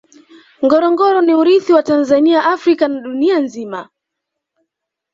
ngorongoro ni urithi wa tanzania africa na dunia nzima